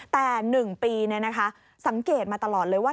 แต่๑ปีสังเกตมาตลอดเลยว่า